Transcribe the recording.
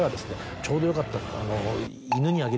「ちょうどよかった」。